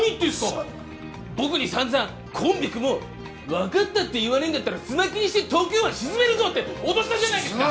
僕に散々「コンビ組もう」「わかったって言わねえんだったらす巻きにして東京湾沈めるぞ」って脅したじゃないですか！